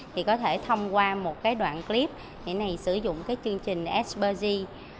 thì có thể thông qua một đoạn clip sử dụng chương trình s bergy